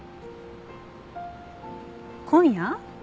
今夜？